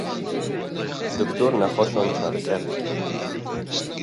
Doktor nexweşan çareser dike